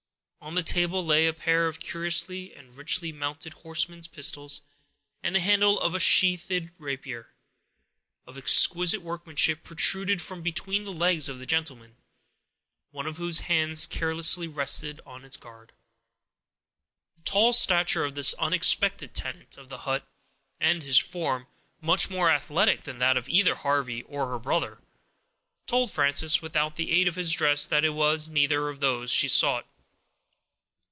On the table lay a pair of curiously and richly mounted horseman's pistols, and the handle of a sheathed rapier, of exquisite workmanship, protruded from between the legs of the gentleman, one of whose hands carelessly rested on its guard. The tall stature of this unexpected tenant of the hut, and his form, much more athletic than that of either Harvey or her brother, told Frances, without the aid of his dress, that it was neither of those she sought.